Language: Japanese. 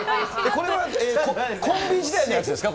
これは、コンビ時代のやつですか？